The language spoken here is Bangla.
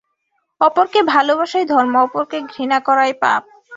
অপরকে ভালবাসাই ধর্ম, অপরকে ঘৃণা করাই পাপ।